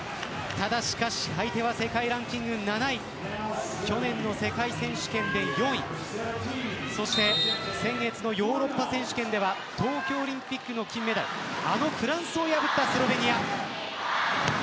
しかし相手は世界ランキング７位去年の世界選手権で４位そして先月のヨーロッパ選手権では東京オリンピックの金メダルあのフランスを破ったスロベニア。